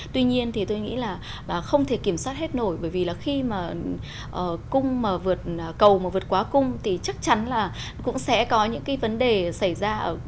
tuy nhiên thì tôi nghĩ là không thể kiểm soát hết nổi bởi vì là khi mà cung mà vượt cầu mà vượt quá cung thì chắc chắn là cũng sẽ có những cái vấn đề xảy ra